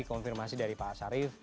konfirmasi dari pak syarif